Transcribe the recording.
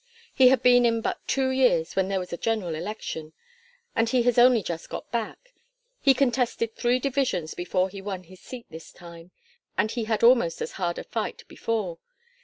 He had been in but two years when there was a general election, and he has only just got back he contested three divisions before he won his seat this time, and he had almost as hard a fight before.